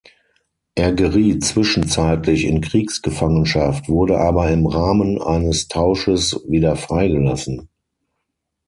Er geriet zwischenzeitlich in Kriegsgefangenschaft, wurde aber im Rahmen eines Tausches wieder freigelassen.